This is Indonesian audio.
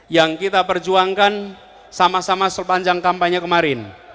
yang kita perjuangkan sama sama sepanjang kampanye kemarin